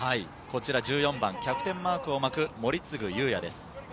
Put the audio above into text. １４番、キャプテンマークを巻く森次結哉です。